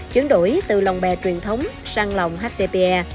chuyển đổi từ lòng bè truyền thống sang lòng htpa